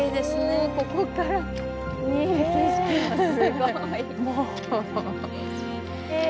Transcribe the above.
おここから見える景色もすごい。